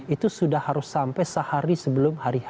itu sudah harus sampai sehari sebelum hari h